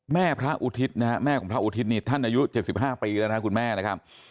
แม่พระอุทิศนะฮะแม่ของพระอุทิศนี่ท่านอายุ๗๕ปีแล้วนะครับคุณแม่นะครับ